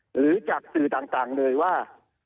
หรือจากสื่อต่างเลยว่า